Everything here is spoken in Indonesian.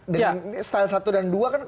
dengan style satu dan dua kan